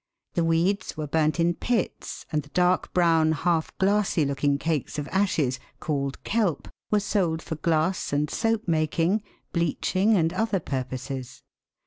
The weeds were burnt in pits, and the dark brown, half glassy looking cakes of ashes, called "kelp," were sold for glass and soap making, bleaching, and other purposes.